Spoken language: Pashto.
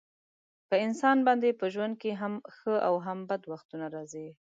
په انسان باندې په ژوند کې هم ښه او هم بد وختونه راځي.